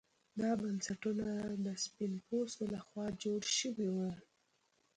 دا بنسټونه د سپین پوستو لخوا جوړ شوي وو.